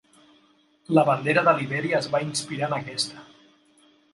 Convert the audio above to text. La bandera de Libèria es va inspirar en aquesta.